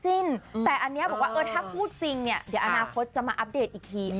จริงแต่อันนี้บอกว่าเออถ้าพูดจริงเนี่ยเดี๋ยวอนาคตจะมาอัปเดตอีกที